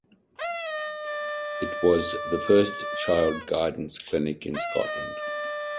It was the first child guidance clinic in Scotland.